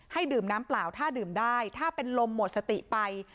ดื่มน้ำเปล่าถ้าดื่มได้ถ้าเป็นลมหมดสติไป